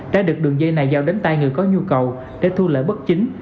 đã được đường dây này giao đến tay người có nhu cầu để thu lợi bất chính